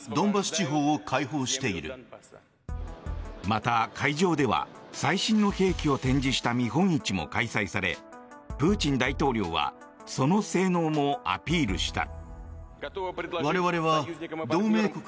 また会場では最新の兵器を展示した見本市も開催されプーチン大統領はその性能もアピールした。